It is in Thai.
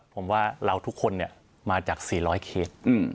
ผมว่าเราทุกคนมาจาก๔๐๐เขต